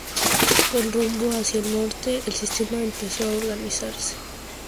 Con rumbo hacia el norte, el sistema empezó a organizarse.